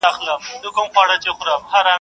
پښتون مېړه پر مرگ پېرزو کېږي، پر بني نه.